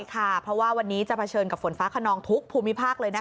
ใช่ค่ะเพราะว่าวันนี้จะเผชิญกับฝนฟ้าคนนองทุกธุมีภาคเลยนะคะ